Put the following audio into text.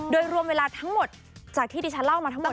โดยรวมเวลาทั้งหมดจากที่ดิฉันเล่ามาทั้งหมด